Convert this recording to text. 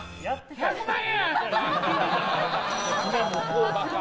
１００万円！